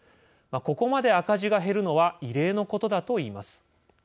ここまで赤字が減るのは異例のことだといいます。